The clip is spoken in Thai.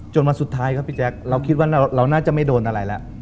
วันสุดท้ายครับพี่แจ๊คเราคิดว่าเราน่าจะไม่โดนอะไรแล้ว